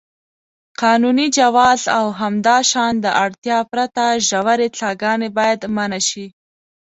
قانوني جواز او همداشان د اړتیا پرته ژورې څاګانې باید منع شي.